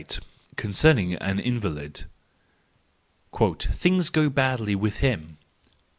Concerning an Invalid .—" Things go badly with him